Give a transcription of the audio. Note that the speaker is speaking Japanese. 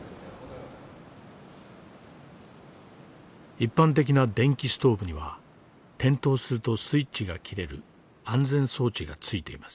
一般的な電気ストーブには転倒するとスイッチが切れる安全装置が付いています。